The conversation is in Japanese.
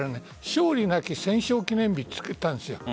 勝利なき戦勝記念日とつけたんです。